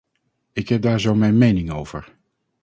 Ik heb daar zo mijn mening over.